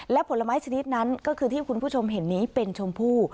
และผลไม้ชนิดนั้นก็คือที่คุณผู้ชมเห็นนี้เป็นชมพู่